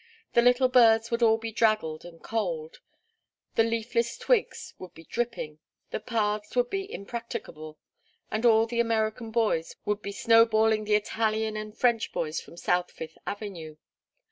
The little birds would all be draggled and cold, the leafless twigs would be dripping, the paths would be impracticable, and all the American boys would be snowballing the Italian and French boys from South Fifth Avenue.